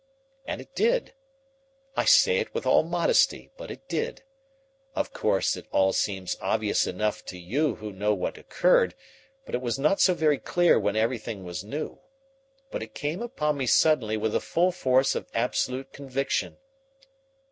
And it did. I say it with all modesty, but it did. Of course, it all seems obvious enough to you who know what occurred, but it was not so very clear when everything was new. But it came on me suddenly with the full force of absolute conviction.